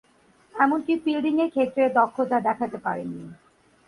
এমনকি ফিল্ডিংয়ের ক্ষেত্রে দক্ষতা দেখাতে পারেননি।